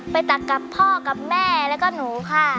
ตักกับพ่อกับแม่แล้วก็หนูค่ะ